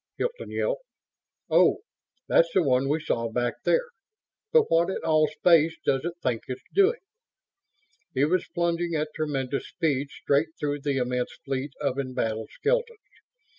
Hilton yelped. "Oh that's the one we saw back there. But what in all space does it think it's doing?" It was plunging at tremendous speed straight through the immense fleet of embattled skeletons.